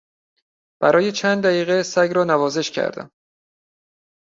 برای چند دقیقه سگ را نوازش کردم.